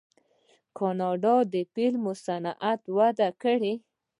د کاناډا فلمي صنعت وده کړې.